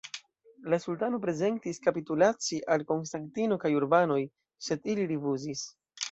La sultano prezentis kapitulaci al Konstantino kaj urbanoj, sed ili rifuzis.